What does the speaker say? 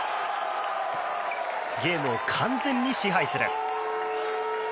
ゲームを完全に支配する。